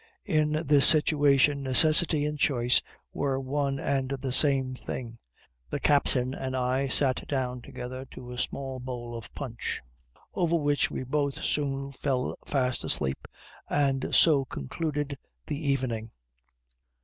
In this situation necessity and choice were one and the same thing; the captain and I sat down together to a small bowl of punch, over which we both soon fell fast asleep, and so concluded the evening.